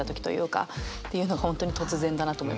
っていう本当に突然だなと思いました。